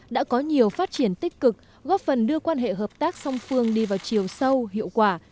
đã có nhiều phát triển tích cực góp phần đưa quan hệ hợp tác song phương đi vào chiều sâu hiệu quả